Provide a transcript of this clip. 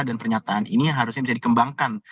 dan pernyataan ini harusnya bisa dikembangkan